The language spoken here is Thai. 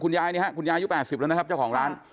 คุณยายเนี้ยฮะคุณยายยุคแปดสิบแล้วนะครับเจ้าของร้าน